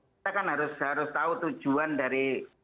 kita kan harus tahu tujuan dari